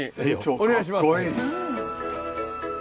お願いします。